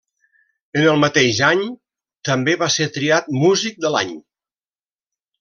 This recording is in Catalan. En el mateix any també va ser triat músic de l'any.